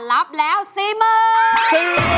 รับแล้ว๔๐๐๐บาท